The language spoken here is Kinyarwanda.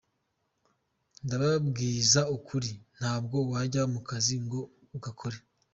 Ndababwiza ukuri ntabwo wajya mu kazi ngo ugakore.